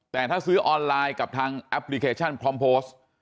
แต่ถ้าซื้อออนไลน์กับทางแอปพลิเคชันพร้อมโพสต์